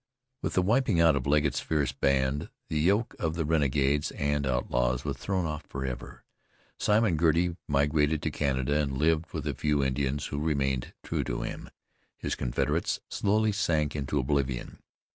With the wiping out of Legget's fierce band, the yoke of the renegades and outlaws was thrown off forever. Simon Girty migrated to Canada and lived with a few Indians who remained true to him. His confederates slowly sank into oblivion.